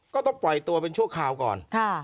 ก็ต้องปล่อยตัวเป็นชั่วคราวก่อน